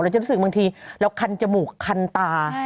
จะรู้สึกบางทีเราคันจมูกคันตา